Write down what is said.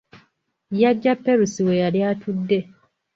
Yaggya Perusi we yali atudde.